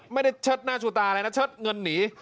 เชิดหน้าชูตาอะไรนะเชิดเงินหนี